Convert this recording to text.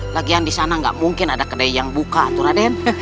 lagian disana gak mungkin ada kedai yang buka tuh raden